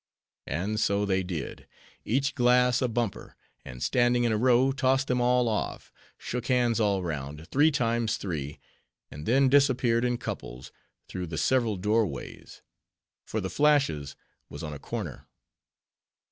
_ And so they did; each glass a bumper; and standing in a row, tossed them all off; shook hands all round, three times three; and then disappeared in couples, through the several doorways; for "The Flashes" was on a corner.